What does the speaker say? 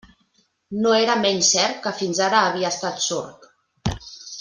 No era menys cert que fins ara havia estat sord.